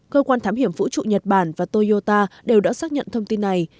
cơ quan thám hiểm vũ trụ nhật bản và toyota đều đã xác nhận thông tin này